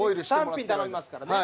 ３品頼めますからね。